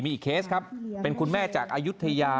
มีอีกเคสครับเป็นคุณแม่จากอายุทยา